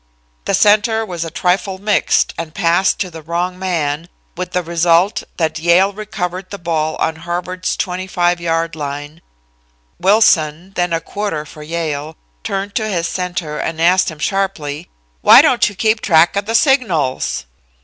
The center was a trifle mixed and passed to the wrong man, with the result that Yale recovered the ball on Harvard's 25 yard line. Wilson, then a quarter for Yale, turned to his center and asked him sharply: "'Why don't you keep track of the signals?'